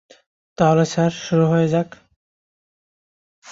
তাহলে স্যার, শুরু করা যাক।